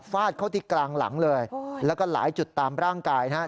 ฟาดเข้าที่กลางหลังเลยแล้วก็หลายจุดตามร่างกายนะครับ